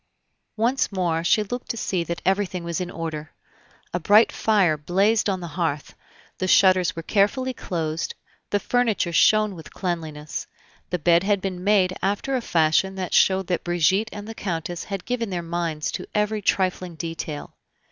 Once more she looked to see that everything was in order. A bright fire blazed on the hearth, the shutters were carefully closed, the furniture shone with cleanliness, the bed had been made after a fashion that showed that Brigitte and the Countess had given their minds to every trifling detail.